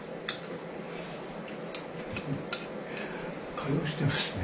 会話してますね。